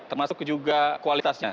termasuk juga kualitasnya